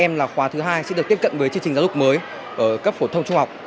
em là khóa thứ hai sẽ được tiếp cận với chương trình giáo dục mới ở cấp phổ thông trung học